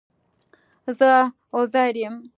زه عزير يم